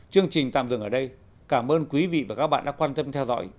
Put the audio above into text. chương trình tạm dừng ở đây cảm ơn quý vị và các bạn đã quan tâm theo dõi